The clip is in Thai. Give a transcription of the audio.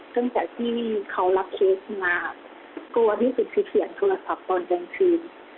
ตั้งแต่ที่เขารับเคสมากลัวที่สุดคือเขียนโทรศัพท์ตอนกลางคืน